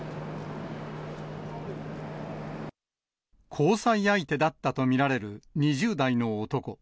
交際相手だったと見られる２０代の男。